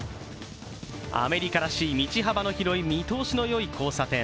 アメリカらしい道幅の広い見通しのよい交差点。